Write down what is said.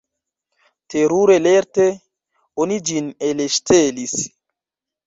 Terure lerte oni ĝin elŝtelis.